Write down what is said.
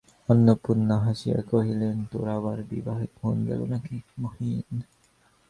অন্নপূর্ণা হাসিয়া কহিলেন, তোর আবার বিবাহে মন গেল নাকি, মহিন।